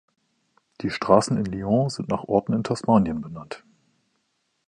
Die Straßen in Lyons sind nach Orten in Tasmanien benannt.